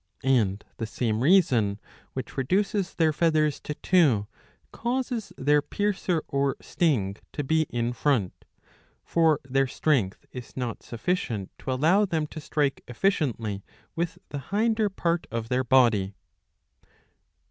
And the same reason which reduces their feathers to two causes their piercer or sting to be in front ; for their strength is not sufficient to allow them to strike efficiently with the hinder part ^* of their body.